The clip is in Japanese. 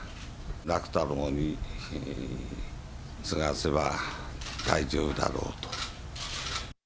楽太郎に継がせれば大丈夫だろうと。